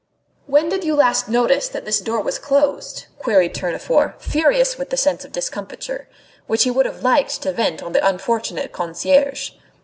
"When did you last notice that this door was closed?" queried Tournefort, furious with the sense of discomfiture, which he would have liked to vent on the unfortunate concierge.